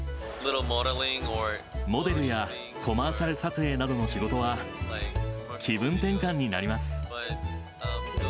モデルやコマーシャル撮影などの仕事は、気分転換になります。